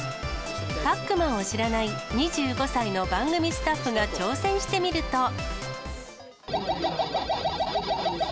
パックマンを知らない２５歳の番組スタッフが挑戦してみると。